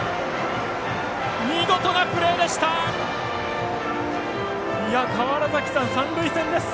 見事なプレーでした！